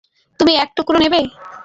তুমি এক টুকরা নেবে?